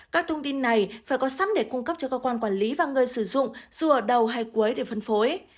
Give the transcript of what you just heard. các thông tin này phải có sẵn để cung cấp cho cơ quan quản lý và người sử dụng dù ở đầu hay cuối để phân phối